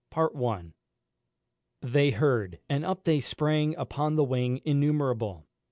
They heard, and up they sprang upon the wing Innumerable.